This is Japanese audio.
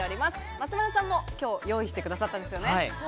松丸さんも、きょう用意してくださったんですよね。